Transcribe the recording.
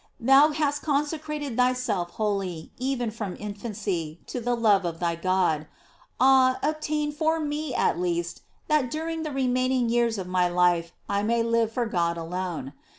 Thou hast consecrated thyself wholly^ even from infancy, to the love of thy God ; ah, obtain for me at least that during the remaining years of my life I may live for God alone.